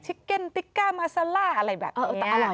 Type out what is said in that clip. ชิคเก็นติ๊กกามัสซาล่าอะไรแบบนี้